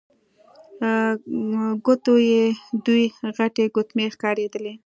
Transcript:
ګوتو يې دوې غټې ګوتمۍ ښکارېدلې.